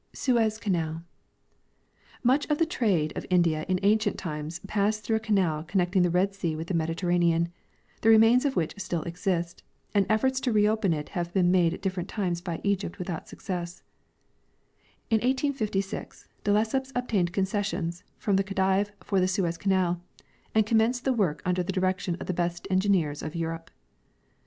Suez Canal. Much of the trade of India in ancient times passed through a canal connecting the Red sea Avith the Mediterranean, the remains of Avliich still exist, and efforts to reopen it .haA'e been made at different times by EgA^pt Avithout success. In 1856 de Lesseps obtained concessions from the khedive for the Suez canal, and commenced the Avork under the direction of the best engineers of Europe.